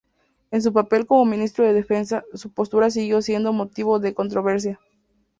En su papel como ministro de Defensa, su postura siguió siendo motivo de controversia.